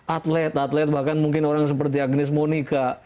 atlet atlet bahkan mungkin orang seperti agnes monika